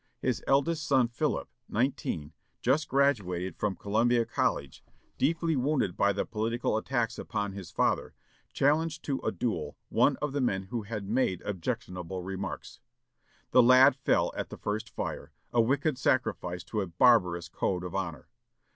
His eldest son, Philip, nineteen, just graduated from Columbia College, deeply wounded by the political attacks upon his father, challenged to a duel one of the men who had made objectionable remarks. The lad fell at the first fire, a wicked sacrifice to a barbarous "code of honor."